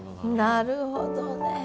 なるほどね。